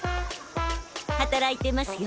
働いてますよ